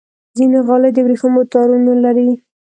ځینې غالۍ د ورېښمو تارونو لري.